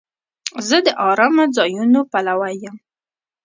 زه د آرامه ځایونو پلوی یم.